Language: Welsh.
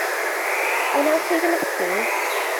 A wnewch chwi fy nysgu i?